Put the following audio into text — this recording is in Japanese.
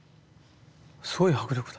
すごい迫力だ！